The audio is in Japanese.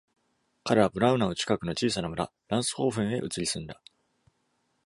彼女はブラウナウ近くの小さな村、ランスホーフェンへ移り住んだ。